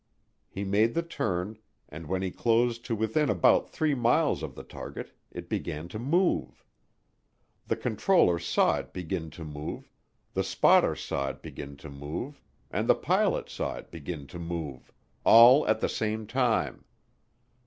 He made the turn, and when he closed to within about 3 miles of the target, it began to move. The controller saw it begin to move, the spotter saw it begin to move and the pilot saw it begin to move all at the same time.